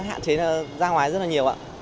hạn chế ra ngoài rất là nhiều ạ